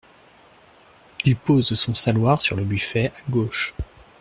Il pose son saloir sur le buffet à gauche.